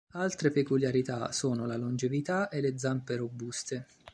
Altre peculiarità sono la longevità e le zampe robuste.